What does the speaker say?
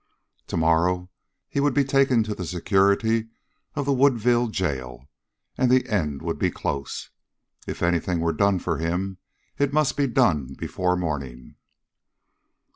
Tomorrow he would be taken to the security of the Woodville jail, and the end would be close. If anything were done for him, it must be before morning.